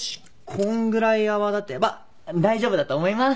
こんぐらい泡立てば大丈夫だと思います。